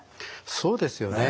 そうですよね。